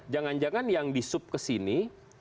jangan jangan yang disup kesini